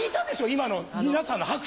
今の皆さんの拍手を。